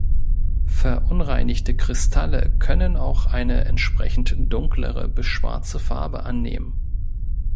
Verunreinigte Kristalle können auch eine entsprechend dunklere bis schwarze Farbe annehmen.